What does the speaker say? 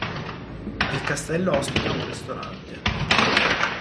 Il castello ospita un ristorante.